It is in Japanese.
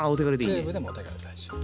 チューブでもお手軽大丈夫。